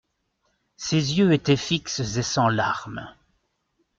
Ses yeux étaient fixes et sans larmes.